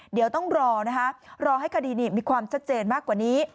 เดี๋ยวต้องรอนะคะรอให้คดีนี้มีความชัดเจนมากกว่านี้